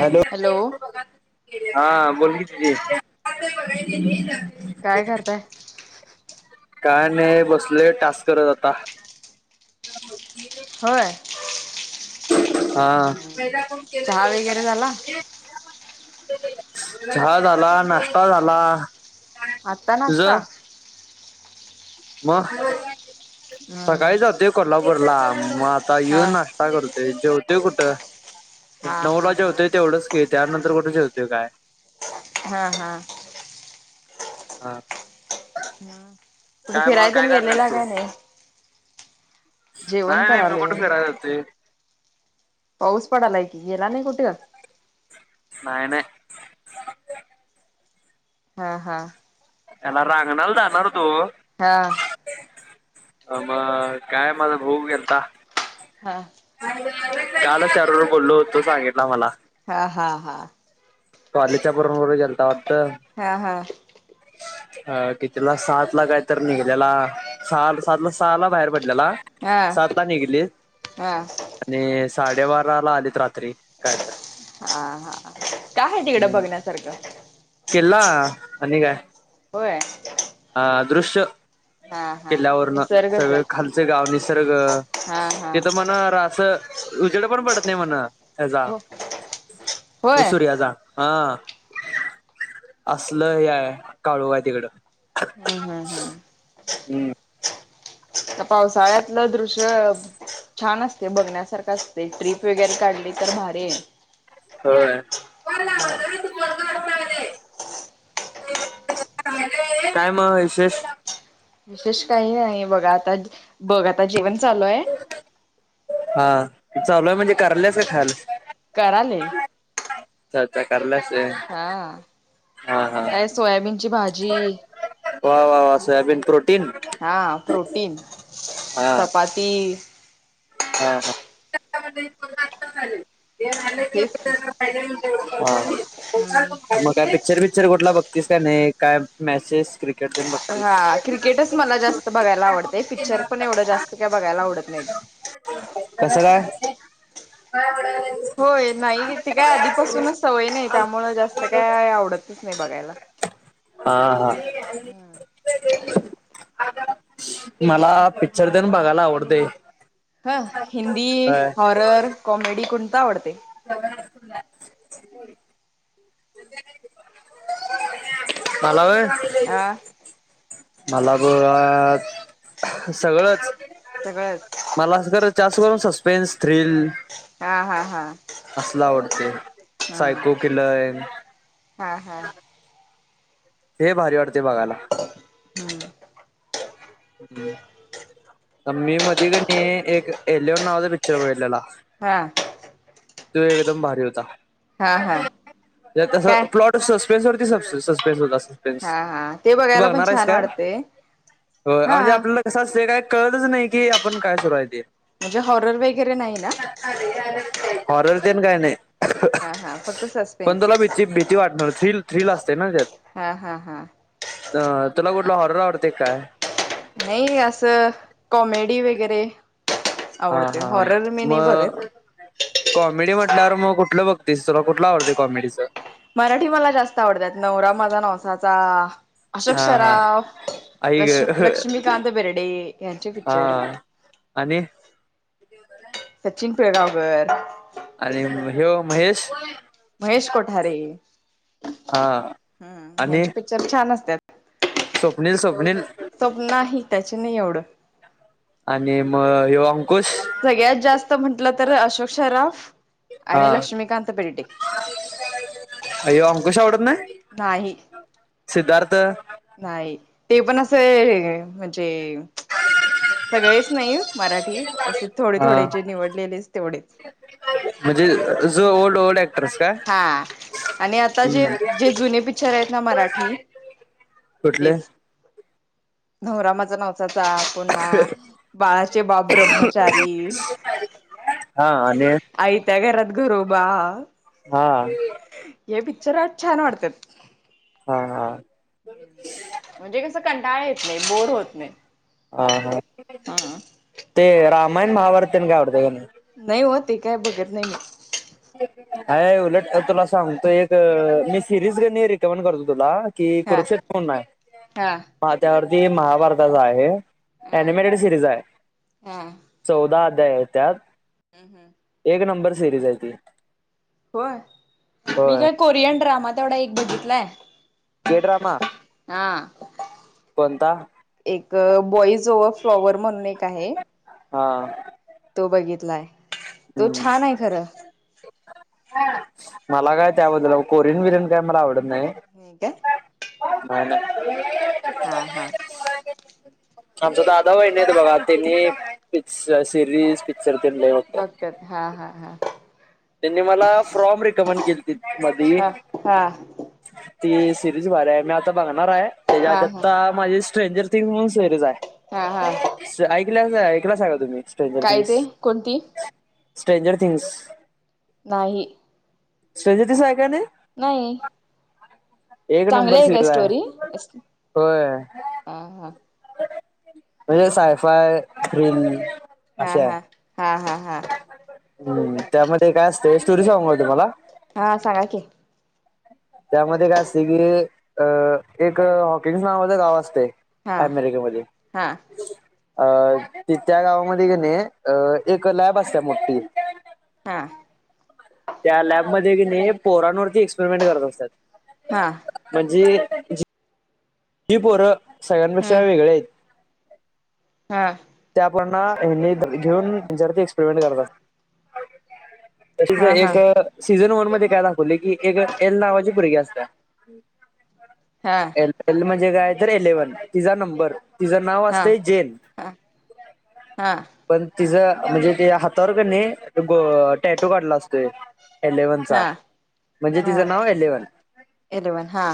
Hello हा बोल की दिदी काय करताय? काय नाय बसलोय टास्क करत आता होय. हा पहिला कोणं केलय चहा तेवढंच वगैरे बघाय झाला [unintelligible] चहा झाला. नाश्ता झाला. आत्ता नाश्ता म हम्म, सकाळी जातोय कोल्हापूरला म आता हा ह्यो नास् स्टा करतोय जेवतोय कुठं हा हा नऊला हा जेवतोय तेवढंच ते त्यानंतर कुठे जेवतोय काय? हा हा हा म कुठ काय मग फिराय काय तेन करणार गेलेला काय नाय? नाय मी कुठं फिराय जातोय पाऊस पडालाय की गेला नाय कुठ? नाय नाय. हा हा याला रांगणाला जाणार होतो हा अ मग काय माझा भाऊ गेलता हा कालच शारूला बोललो होतो सांगितला मला हा हा हा कॉलेजच्या बरोबबरोर गेलता वाटतं हा हा- हा कितीला सात ला काय तर निघलेला सहा सात ला सहा ला बाहेर पड लेला हा सातला निघली हा आणि साडेबाराला आलीत रात्री काय तर हा हा काय हाय तिकडं बघण्यासारखं? किल्ला आणि काय होय. अ दृश्य हा हा किल्ल्यावरन निसर्गच सगळ आहे खालच गाव निसर्ग हा हा तिथ म्हणा रास उजेड पण पडत नाय म्हण ह्याजा हो अ होय सूर्याचा हा असलं हे हाय काळोख हाय तिकडं हम्म हम्म हम्म हम्म आता पावसाळ्यातलं दृश्य छान असते बघण्यासारखा असते ट्रिप वगैरे काढली तर भारी ये होय. काय म विशेष? विशेष काही नाही बघा आता बघ आता जेवण चालू ये हा चालू हाय म्हणजे करायल्यास खाल कराले. कारल्यास होय. हा हा हा. अय सोयाबीनची भाजी वा वा वा सोयाबीन प्रोटीन? हा प्रोटीन हा. चपाती हा हा. [unintelligible] [unintelligible] हा हेच की हा. हम्म मग काय पिक्चर विक्चर कुठला बघतीस का नाही काय मेसेज क्री हा क्रिकेटच मला जास्त बघायला आवडते पिक्चर पण एवढं जास्त काय बघायला आवडत नाही. कसं काय? होय नाही येते काय आधीपासूनच सवय नाही त्यामुळं जास्त काय आवडतच नाही बघायला. हा हा. हम्म मला पिच्चर तेन बघायला आवडतेय. हा हिंदी, हॉरर, कॉमेडी कोणता आवडते? [unintelligible] [unintelligible] मला वय आं मला बघा सगळंच सगळंच मला असं करू जास्त करून सस्पेन्स, थ्रिल हा हा हा. असला आवडते हा सायको किलर येन हा हा. हे भारी वाटते बघायला. हम्म. [unintelligible] पण मी मध्ये का नाही एक एलियन नावाचा पिक्चर बघितलेला. हा. तो एकदम भारी होता हा हा ते काय तसं प्लॉट तर सस्पेन्स वरती सस्पे सस्पेन्स अस पेन्स हा हा ते तू बघायला पण बघणारा आहेस छान काय वाटते होय हा म्हणजे आपल्याला तसा सेड आहे कळलच नाही की आपण काय सुरू आहे ते. म्हणजे हॉरर वगैरे नाही ना? हॉरर तेन काय नाही. हा हा फक्त पण सस्पेन्स तुला भीती भीती वाटणार थ्रील थ्रील असते ना त्यात. हा हा हा. अ तुला कुठला हॉरर आवडतेय काय? नाही असं कॉमेडी वगैरे हा आवडते हा हॉरर मी नाही मग बघत. कॉमेडी म्हटल्यावर म कुठलं बघतीस तुला कुठलं आवडते कॉमेडीचा? मराठी मला जास्त आवडत्यात नवरा माझा नवसाचा. अशोक हा हा सराव आई ग लक्ष लक्ष्मीकांत बिर्डे यांचे हा पिच्चर. आणि सचिन पेळगावकर आणि हेव महेश? महेश कोठारे हा आणि ह्यांची पिक्चर छान असत्यात. स्वप्नील स्वप्नील तो नाही त्याची नाही एवढं आणि मग यॅग सगळ्यात जास्त म्हटलं तर अशोक शराफ हा आणि लक्ष्मीकांत बेर्डे. ह. [inaudible] अय्यो अंकुश आवडत नाय. नाही सिद्धार्थ? नाही ते पण असं ये म्हणजे सगळेच नाही मराठी असे थोडे हा थोडे जे निवडलेले तेवढेच म्हणजे जो ओल्ड ओल्ड ॲक्ट नमस्कार हा आणि आता जे जे ह. जुने पिक्चर आहेत ना मराठी [unintelligible] कुठल? तेच नवरा माझा नवसाचा पुन्हा बाळाचे बाप ब्रह्मचारी. हा आणि? आय त्या घरात घरोबा. हा हे पिकच्चर छान वाटत्यात. हा हा म्हणजे कस कंटाळा येत नाही बोर होत नाही हा हा हा ते रामायण महाभारत आवडते का नाही? नाही ओ ते काय बघत नाही मी. अ उलट तुला सांगतो अ एक मी सिरीज रि रिकमेड करतो तुला कि हा कुरुक्षेत्र कोण हा आहे त्यावरती महाभारताचा आहे. हा अनिमेटेड सिरीज आहे हा चौदा अध्याय आहेत त्यात. हम हमम. एक नंबर सिरीज आहे ती होय. मी होय. काय कोरियन ड्रामा तेवढा एक बघितलाय त्यो ड्रामा हा कोणता? एक बॉईज ओव फ्लॉवर म्हणून एक आहे हा तो बघितलाय तो हम्म. छान आहे खरं मला काय त्याबद्दल कोरियन बिरियन काय मला आवडत नाय. होय काय. नाहीय ना. [unintelligible] हा हा आमचे दादा वहिनी येत बघा त्यांनी पिक्च सिरीज पिक्चर लय बघतात. हा हा हा.. त्यांनी मला फरोर्म रिकमेंड केलती मधी हा हा ती सिरीज भरी आहे मी आता बघणार आहे. त्याच्यात हा हा आता माझी स्ट्रेंजर थिंग म्हणून सेरीज हा हा आहे ऐकल्याव ऐकल्या सांगा तुम्ही स्ट्रेंजर काय थिंग्स ते कोणती स्ट्रेंजर थिंग्स नाही सदोतीस आहे काय नाय? नाही चांगले नंबर आहे काय सिरीज स्टोरी हा हा. म्हणजेच हायफाय रील हा हा हा हा हा हम्म त्यामध्ये काय असते, स्टोरी सांगु का तुम्हाला. हा सांगा की. त्यामध्ये काय असते की, अ एक हॉकिंग्स नावाचं गाव असते. हा अमेरिकेमध्ये हा अ ती त्या गावामध्ये कि नाही अ एक लॅब असते मोठी. हा त्या लॅबमध्येध्ये की नाही, पोरांवररती एक्सपेरिमेंट करत असतात. हा म्हणजे जी पोर सगळ्यांपेक्षा हम्म वेगळे आहेत हा त्या पोरांना ने घेऊन जर ते एक्सपेरिमेंट करतात. तशीच हा एक हा सीझन वन मध्ये काय दाखवले की, एक एल नावाची पोरगी असते. हा ए एल म्हणजे काय तर इलेव्हन. तिचा नंबर, तिच नाव हा असतय जेन. हा हा पण तिचा म्हणजे ते हातावर का नाही, गो टॅटू काढला असतो एक. एलेवनचा. हा म्हणजे हा तिच नाव एलेव्हन. एलेवन हा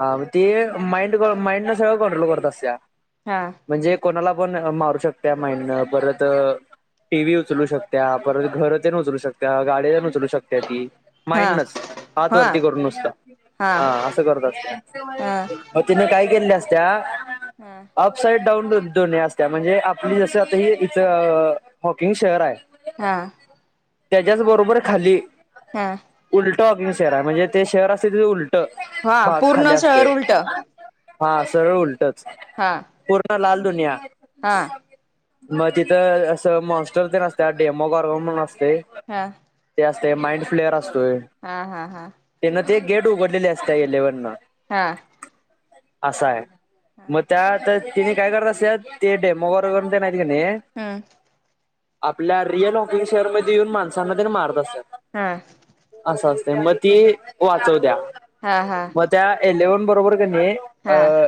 हा मग ते माइंड माइंड न सगळ कंट्रोल करत असत्या. हा म्हणजे कोणाला पण मारू शकते माइंडन. परत टी व्ही उचलू शकत्या. परत घरन ते उचलू शकत्या. गाड्यान ते उचलू शकत्या. त हा माइंडनस हात हा वरती करून नुसता. हा अस करत असत्या. मग तिने काय केलेल्या असत्या हा अप साईड डाऊन दोन्ही असत्या. म्हणजे आपली जस आता ह इथ हॉकिंग शहर आहे. हा त्याच्याच बरोबर खाली हा उलट वॉकिंग शहर आहे. म्हणजे ते शहर असते तिथे उलट हा भाग खाली पूर्ण असतोय. सरळ उलट हा सगळ उलटच. हा पूर्ण लाल दुनिया हा मग तिथ अस मॉन्स्टर ते असत्या. डेमो गॉर्व म्हणून असते. हा ते असते. माइंड फ्लेअर असतोय. हा हा हा त्यांन ते गेट उघडलेले असत इलेव्हन. हा असा आहे. हा मग त्यात तिने काय करत असे ते डेमोवर [unintelligible] हम्म आपल्या रिअल हॉकिंग शेअरमध्ये येऊन माणसांना ते मारत असत्यात. ह असं असतय म ती वाचव द्या हा हा त्या एलेव्हन बरोबर कणी हा अं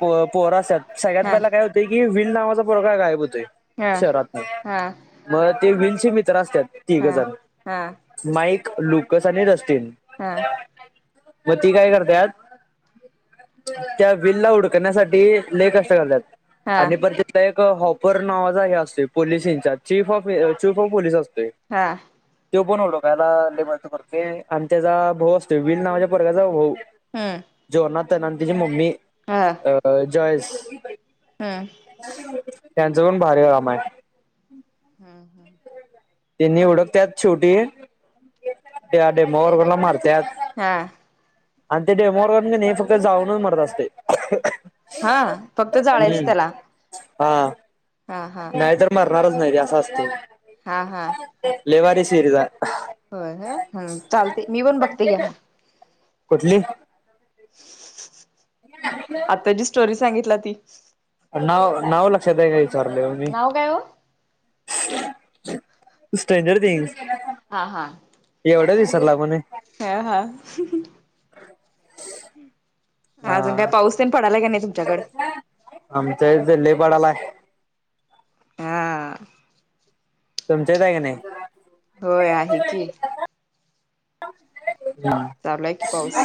प पोर असत्यात सगळ्यात हा पहिला काय होत ते की विल नावाचा पोरगा गायब होतोय हा शहरातनं हा म ते व्हील चे मित्र असत्यात हा तीघजण हा माईक लुकस आणि रस्टिन हा म ती काय करत्यात त्या व्हीलला उडकण्यासाठी लय कष्ट करतात हा आणि पण ते ते एक हॉपर नावाचा हे असतोय police in charge chief of chief of police असतोय. हा त्यो पण हुडकायला लय मदत करतोय आणि त्याचा भाऊ असतो व्हील नावाच्या पोरग्याचा भाऊ हूं जेवनात हाय ना आणि तिची मम्मी हा अ जॉयेश हम्म त्यांचं पण भारी काम हाय. हूं हूं त्यांनी हुडकतत शेवटी त्या डेमो वरगनंला मारत्यात हा. आणि ते डेमोरन कनी, फक्त जाळूनचं मरत असतय हा फक्त जाळायच हम्म त्याला हा हा हा नाय तर मरणारच नाय ते असं असतय हा हा लय भारी सिरीज हाय होय होय हं चालते मी पण बघते घ्या म कुठली? आता जी स्टोरी सांगितला ती नाव नाव लक्षात हाय काय विचारलं ओ मी नाव काय हो स्ट्रेंजर थिंग. हा हा. एवढ्यात विसरला म्हणे ह हा अजून काय हा पाऊस तेन पडालाय का नाय तुमच्याकड आमच्या इथं लय पडलाय. हा तुमच्याच हाय क नाय? होय आहे की [unintelligible] चालू आहे की पाऊस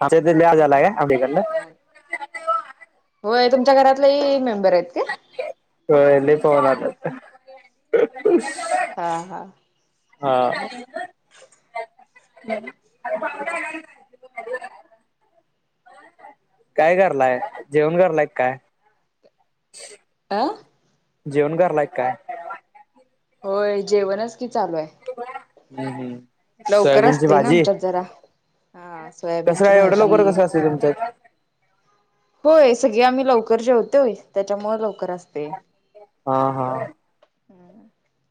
आमच्या इथं लय आज हम्म आला का हम्म आपलीकडन चाल होय तुमच्या घरातलेही मेंबर आहेत काय होय लय पावन आलत [unintelligible] हा हा हा हम्म. [inaudible] [unintelligible] काय करलाय जेवण करलायत काय? [inaudible] आं जेवण करलाकी काय? होय जेवणच कि चालूये. हम्म हमम. लवकर असते ना आमच्यात जरा, हा कसं सोयाबीनची काय एवढं लवकर भाजी कसं असतंय तुमच्यात? होय सगळी आम्ही लवकर जेवतोय, त्याच्यामुळे लवकर असते. हा हा..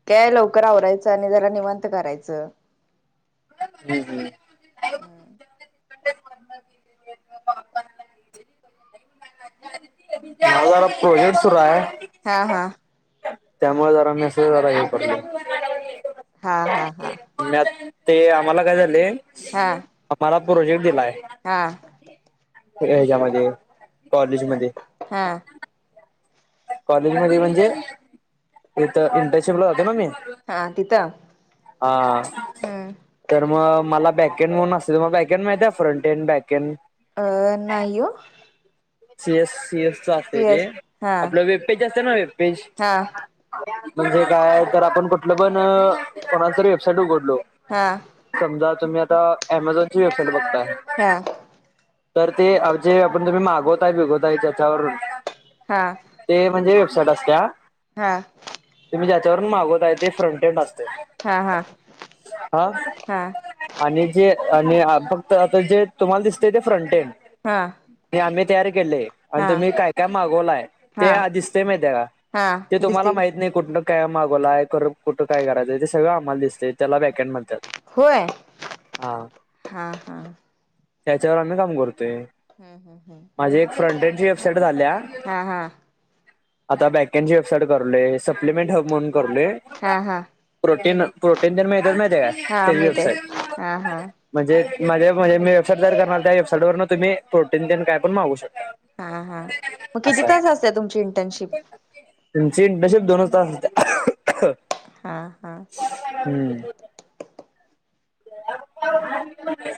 काय लवकर आवरायचं आणि जरा निवांत करायचं हम हम या वाला पो सुर आहे. [inaudible] हा हा त्यामुळे जरा मेसेज जरा [unintelligible] हा हा हा.. ते आम्हाला काय झालय हा आम्हाला प्रोजेक्ट दिलाय. हा. ह्याच्यामध्ये कॉलेज मध्ये हा. कॉलेज मध्ये म्हणजे इथ इंटर्नशिपला जातो ना मी हा तिथं हा... हम्म तर मग मला बॅकेंड म्हणून असते तर मला बॅकहंड माहिती आहे फ्रंटेड बॅकहंड? अ नाही ओ सीएस सीएस च असत तेे सीएस हा आपलं वेबपेज असत ना वेबपेज हा म्हणजे काय तर आपण कुठलं पण कोणाच वेबसाईट उघडलो. हा. समजा तुम्ही आता अमेझॉन ची वेबसाईट बघताय हा तर ते आवजे आपण तुम्ही मागवताय बिगवताय त्याच्यावरून हा. ते म्हणजे वेबसाईट असत्या. हा. तुम्ही ज्याच्यावरून मागवत आहे ते फ्रंटेंड असते. हा हा हा आणि जे आणि फक्त आता जे तुम्हाला दिसते ते फ्रंटेड हा. आणि आम्ही तयारी केली आणि हा तुम्ही काय काय मागवलाय ते हा दिसतय माहिती आहे का.. हा ते तुम्हाला दिसते माहीत नाही कुठण काय मागोलाय कुठं काय करायचं ते सगंळ आम्हाला दिसतय त्याला वॅकेंड म्हणतात. होय. हा हा हा त्याच्यावर आम्ही काम करतोय. हम् हम हमम माझी एक फ्रंट एंडची वेबसाइट झालया. हा हा आता बॅकनची वेबसाईड करलोय सप्लिमेंट हब म्हणून करलोय. हा हा. प्रोटीन, प्रोटीन तेन मिळत्यात महितीया काय हा त्याची मी ते हा हा वेबसाईट. म्हणजे, माझे म्हणे मी वेबसाईट तयार करणार त्या वेबसाईटवरन तुम्ही प्रोटीन तेण काय पण मागू शकता. हा हा, मग किती असं आहे तास असते तुमची इंटर्नशिप. तुमची इंटरशिप दोनच तास असत्या. हां हां. हम्म. [unintelligible] [unintelligible]